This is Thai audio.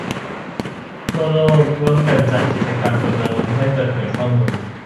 ทั่วโลกร่วมกันจัดกิจกรรมรณรงค์ให้เปิดเผยข้อมูล